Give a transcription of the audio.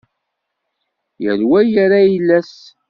Yal wa ira ayla-s